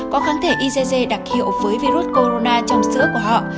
có kháng thể icg đặc hiệu với virus corona trong sữa của họ